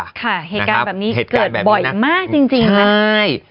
ค่ะเหตุการณ์แบบนี้เกิดบ่อยมากจริงค่ะใช่